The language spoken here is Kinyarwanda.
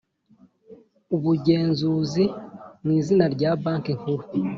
ubugenzuzi mu izina rya Banki Nkuru